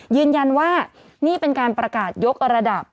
ยืนยันว่านี่เป็นการประกาศยกระดับ